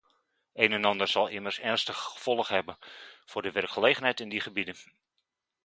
Een en ander zal immers ernstige gevolgen hebben voor de werkgelegenheid in die gebieden.